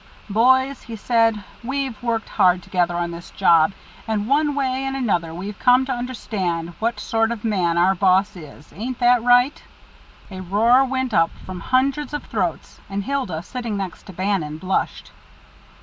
"Boys," he said, "we've worked hard together on this job, and one way and another we've come to understand what sort of a man our boss is. Ain't that right?" A roar went up from hundreds of throats, and Hilda, sitting next to Bannon, blushed.